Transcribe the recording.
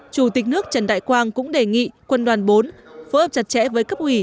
chủ tịch nước trần đại quang cũng đề nghị quân đoàn bốn phối hợp chặt chẽ với cấp ủy